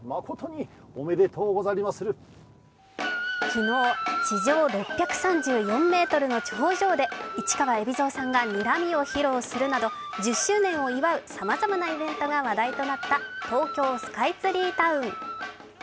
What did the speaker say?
昨日、地上６３４ｍの頂上で市川海老蔵さんがにらみを披露するなど１０周年を祝うさまざまなイベントが話題となった東京スカイツリータウン。